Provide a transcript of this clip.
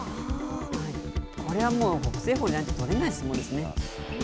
これは北青鵬じゃないと取れない相撲ですね。